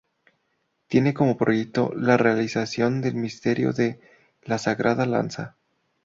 Tiene como proyecto la realización del misterio de la Sagrada Lanzada.